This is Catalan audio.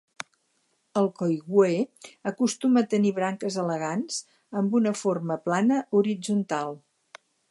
El coigüe acostuma a tenir branques elegants amb una forma plana horitzontal.